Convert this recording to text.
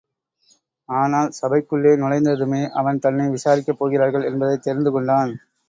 ஆனால், சபைக்குள்ளே நுழைந்ததுமே அவன் தன்னை விசாரிக்கப் போகிறார்கள் என்பதைத் தெரிந்து கொண்டான்.